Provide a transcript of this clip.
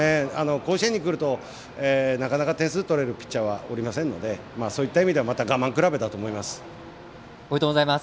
甲子園にくるとなかなか点数取れるピッチャーは、おりませんのでそういった意味ではおめでとうございます。